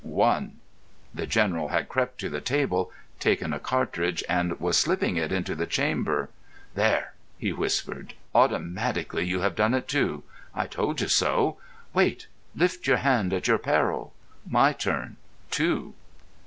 "One!" The General had crept to the table, taken a cartridge, and was slipping it into the chamber. "There!" he whispered. "Automatically you have done it too. I told you so. Wait! Lift your hand at your peril. My turn. Two!"